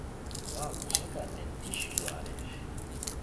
واؤ نیشاکانتے دیش لو اریر